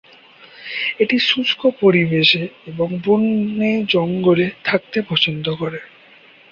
এটি শুষ্ক পরিবেশে এবং বনে-জঙ্গলে থাকতে পছন্দ করে।